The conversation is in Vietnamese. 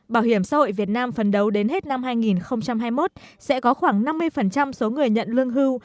bảo hiểm xã hội việt nam phấn đấu đến hết năm hai nghìn hai mươi một sẽ có khoảng năm mươi số người nhận lương hưu